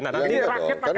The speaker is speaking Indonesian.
nah nanti baik